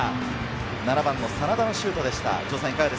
７番の真田のシュートでした。